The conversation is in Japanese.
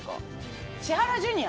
千原ジュニア？